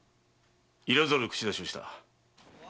要らざる口出しをしたな。